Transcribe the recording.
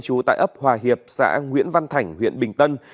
trú tại ấp hòa hiệp xã nguyễn văn thảnh huyện bình tân